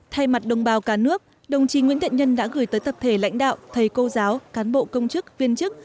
thay mặt đồng bào cả nước đồng chí nguyễn thiện nhân đã gửi tới tập thể lãnh đạo thầy cô giáo cán bộ công chức viên chức